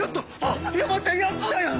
山ちゃんやったやん！